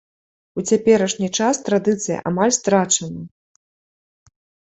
У цяперашні час традыцыя амаль страчана.